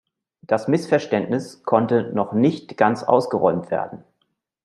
Das Missverständnis konnte noch nicht ganz ausgeräumt werden.